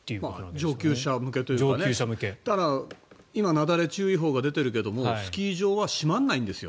上級者向けというか今、なだれ注意報が出ているけどスキー場は閉まらないんですよ。